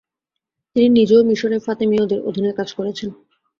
তিনি নিজেও মিশরে ফাতেমীয়দের অধীনে কাজ করেছেন।